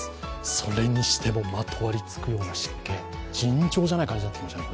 それにしても、まとわりつくような湿気、尋常じゃない感じですよね。